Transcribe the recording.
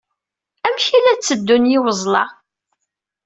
Amek ay la tteddun yiweẓla?